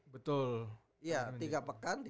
betul ya tiga pekan